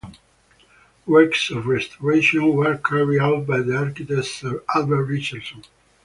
Works of restoration were carried out by the architect Sir Albert Richardson.